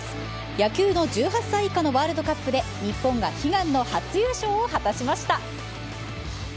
野球の１８歳以下のワールドカップで、日本が悲願の初優勝を果たしました。